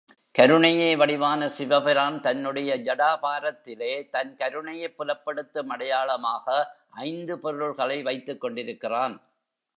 கருணையே வடிவான சிவபிரான் தன்னுடைய ஜடாபாரத்திலே தன் கருணையைப் புலப்படுத்தும் அடையாளமாக ஐந்து பொருள்களை வைத்துக் கொண்டிருக்கிறான்.